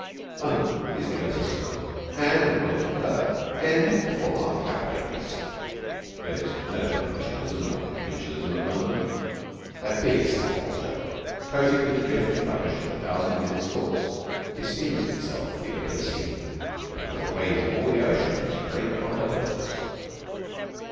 London is egoistical, and the world for her ends with the four mile cab radius. There is no provincialism like the provincialism of London. That big slack water coated with the drift and rubbish of a thousand men's thoughts esteems itself the open sea because the waves of all the oceans break on her borders.